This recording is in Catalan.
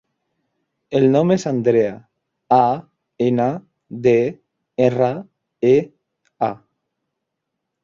El nom és Andrea: a, ena, de, erra, e, a.